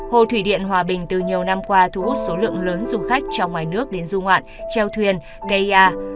hồ thủy điện hòa bình từ nhiều năm qua thu hút số lượng lớn du khách trong ngoài nước đến du ngoạn treo thuyền gây à